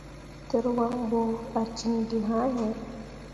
Tǝrwaŋ bo ah cin gi haa yĩĩ.